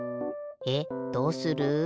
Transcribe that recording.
えっどうする？